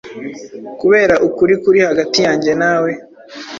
kubera ukuri kuri hagati yanjye nawe